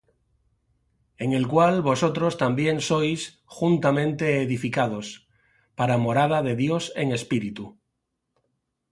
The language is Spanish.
En el cual vosotros también sois juntamente edificados, para morada de Dios en Espíritu.